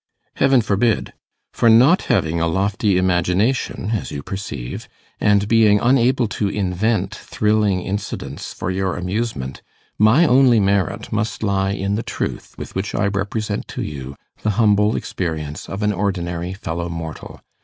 Heaven forbid! For not having a lofty imagination, as you perceive, and being unable to invent thrilling incidents for your amusement, my only merit must lie in the truth with which I represent to you the humble experience of an ordinary fellow mortal.